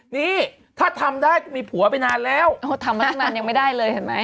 นี่ถ้าทำได้ก็มีผัวไปนานแล้วเขาทำมาตั้งนานยังไม่ได้เลยเห็นไหม